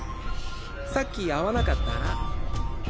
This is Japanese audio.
さっき会わなかった？